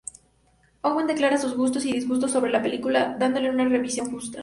Owen declara sus gustos y disgustos sobre la película dándole una revisión justa.